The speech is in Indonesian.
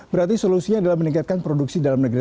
berarti solusinya adalah meningkatkan produksi dalam negeri